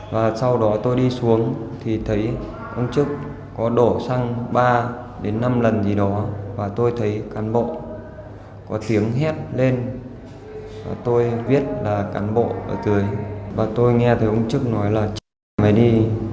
và sau đó tôi đi xuống thì thấy ông trức có đổ xăng ba đến năm lần gì đó và tôi thấy cán bộ có tiếng hét lên và tôi viết là cán bộ ở dưới và tôi nghe thấy ông trức nói là chết mày đi